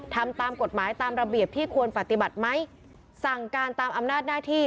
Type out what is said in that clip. ทำตามกฎหมายตามระเบียบที่ควรปฏิบัติไหมสั่งการตามอำนาจหน้าที่